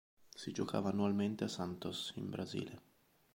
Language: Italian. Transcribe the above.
Si giocava annualmente a Santos in Brasile.